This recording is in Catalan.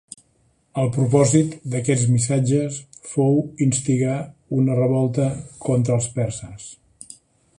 El propòsit d'aquests missatges fou instigar una revolta contra els perses.